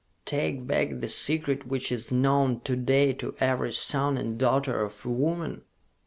"Take back the Secret which is known to day to every son and daughter of woman?